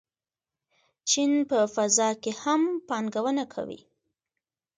چین په فضا کې هم پانګونه کوي.